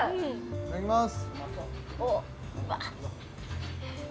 いただきます